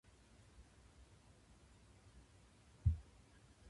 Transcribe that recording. あなたの好きなグミは？